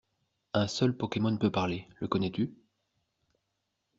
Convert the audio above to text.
Un seul pokemon peut parler, le connais-tu?